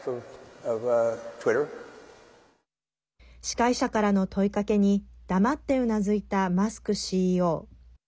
司会者からの問いかけに黙ってうなずいたマスクＣＥＯ。